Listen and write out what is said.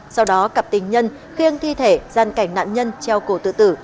sau đó cặp tình nhân khiêng thi thể gian cảnh nạn nhân treo cổ tự tử